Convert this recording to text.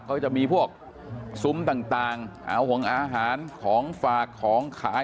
เขาจะมีพวกซุ้มต่างเอาของอาหารของฝากของขาย